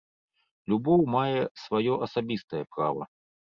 Любоў мае сваё асабістае права.